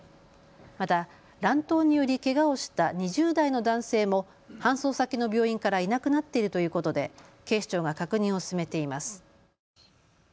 また乱闘により、けがをした２０代の男性も搬送先の病院からいなくなっているということで警視庁が確認を進めています。